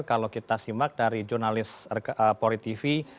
kalau kita simak dari jurnalis pori tv